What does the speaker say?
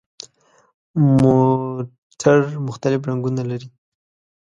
موټر مختلف رنګونه لري.